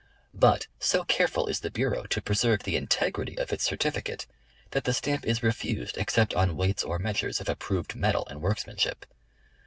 But so careful is the Bureau to preserve the integrity of its certifi cate, that the stamp is refused except on weights or measures of approved metal and workmanship.